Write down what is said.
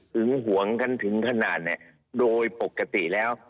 หวงกันถึงขนาดเนี่ยโดยปกติแล้ว